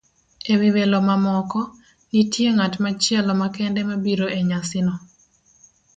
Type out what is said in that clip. E wi welo mamoko, nitie ng'at machielo makende mobiro e nyasino.